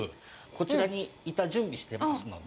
こちらに板、準備していますので。